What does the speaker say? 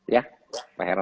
ya pak irwan